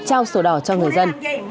trao sổ đỏ cho người dân